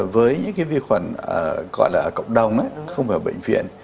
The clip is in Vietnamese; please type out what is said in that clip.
với những cái vi khuẩn gọi là cộng đồng không phải ở bệnh viện